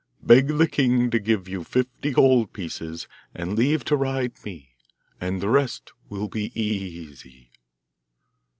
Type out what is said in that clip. Beg the king to give you fifty gold pieces and leave to ride me, and the rest will be easy.